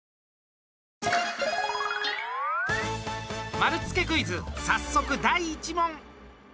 丸つけクイズ早速第１問！